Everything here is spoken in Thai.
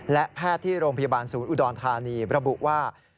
และแพทย์ที่โรงพยาบาลศูนย์อุดรธานีระบุว่า